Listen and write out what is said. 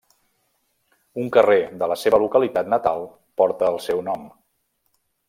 Un carrer de la seva localitat natal porta el seu nom.